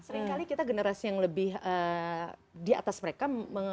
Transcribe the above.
seringkali kita generasi yang lebih di atas mereka